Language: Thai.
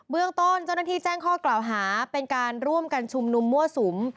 เรื่องต้นเจ้าหน้าที่แจ้งข้อกล่าวหาเป็นการร่วมกันชุมนุมมั่วสุม